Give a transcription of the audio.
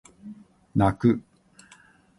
泣く